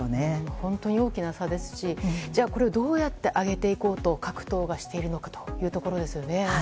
本当に大きな差ですしこれをどうやって上げていこうと各党がしているのかというところですよね。